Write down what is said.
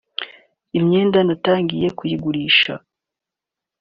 “Imyenda natangiye kuyigurisha